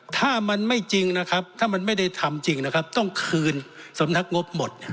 ถ้ามันไม่จริงนะครับถ้ามันไม่ได้ทำจริงนะครับต้องคืนสำนักงบหมด